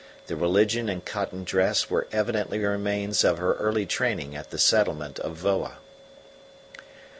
The religion and cotton dress were evidently remains of her early training at the settlement of Voa.